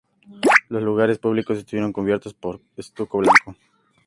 Los lugares públicos estuvieron cubiertos por estuco blanco.